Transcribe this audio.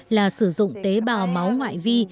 là sử dụng tế bào máu ngoại vi